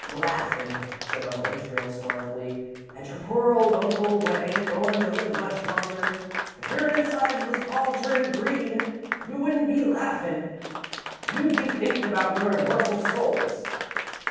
"Laughin'" said Uncle Israel, scornfully, "at your poor old uncle what ain't goin' to live much longer. If your insides was all turned green, you wouldn't be laughin' you'd be thinkin' about your immortal souls."